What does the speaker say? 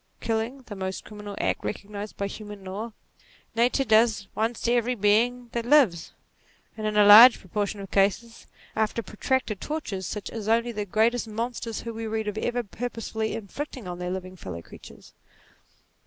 Killing, the most criminal act recognized by human laws, Nature does once to every being that lives ; and in a large pro portion of cases, after protracted tortures such as only NATURE 29 the greatest monsters whom we read of ever purposely inflicted on their living fellow creatures.